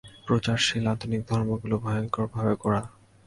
প্রচারশীল আধুনিক ধর্মগুলি ভয়ঙ্করভাবে গোঁড়া।